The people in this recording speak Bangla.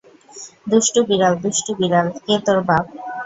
দুষ্টু বিড়াল, দুষ্টু বিড়াল, কে তোর বাপ?